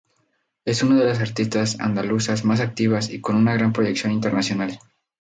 Es una de las artistas andaluzas más activas y con una gran proyección internacional.